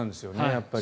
やっぱり。